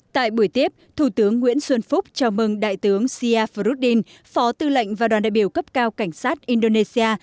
tại buổi tiếp thủ tướng nguyễn xuân phúc chào mừng đại tướng sia froudin phó tư lệnh và đoàn đại biểu cấp cao cảnh sát indonesia